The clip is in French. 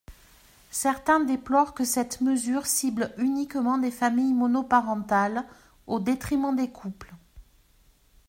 Certains déplorent que cette mesure cible uniquement les familles monoparentales, au détriment des couples.